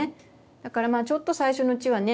だからちょっと最初のうちはね